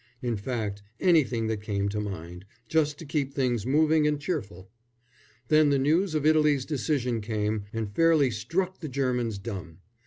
in fact, anything that came to mind, just to keep things moving and cheerful. Then the news of Italy's decision came and fairly struck the Germans dumb.